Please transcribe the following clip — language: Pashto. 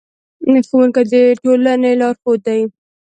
ښوونکي د ټولنې لارښود دي.